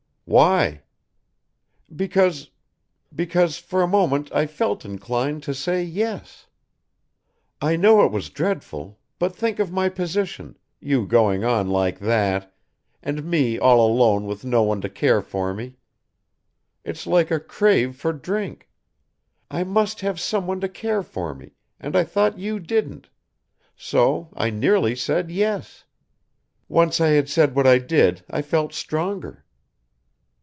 "Why?" "Because because for a moment I felt inclined to say 'yes.' I know it was dreadful, but think of my position, you going on like that, and me all alone with no one to care for me It's like a crave for drink. I must have someone to care for me and I thought you didn't so I nearly said 'yes.' Once I had said what I did I felt stronger."